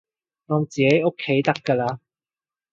當自己屋企得㗎喇